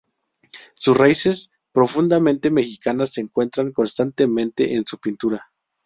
Sus raíces profundamente mexicanas se encuentran constantemente en su pintura.